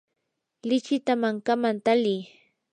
lichikita mankaman tali.